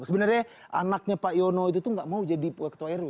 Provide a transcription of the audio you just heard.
sebenarnya anaknya pak yono itu tuh gak mau jadi ketua rw